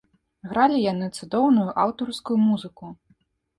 Гралі яны цудоўную аўтарскую музыку.